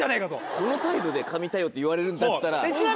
この態度で神対応っていわれるんだったら。